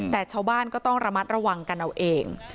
แต่ชาวบ้านก็ต้องระมัดระวังกันเอาเอง